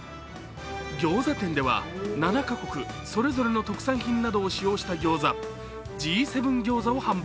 ギョーザ店では７か国それぞれの特産品などを使用したギョーザ、Ｇ７餃子を販売。